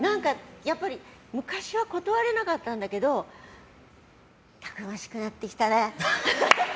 昔は断れなかったんだけどたくましくなってきたね。